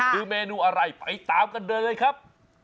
คือเมนูอะไรไปตามกันเดินเลยครับ